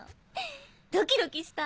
ドキドキした？